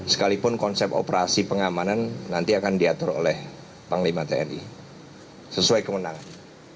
sekalipun konsep operasi pengamanan nanti akan diatur oleh panglima tni sesuai kemenangan